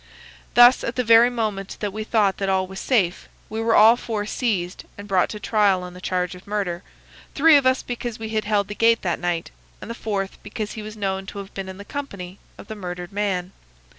Thus at the very moment that we thought that all was safe we were all four seized and brought to trial on a charge of murder,—three of us because we had held the gate that night, and the fourth because he was known to have been in the company of the murdered man.